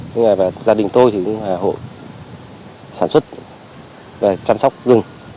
nhưng mà gia đình tôi thì cũng hội sản xuất và chăm sóc rừng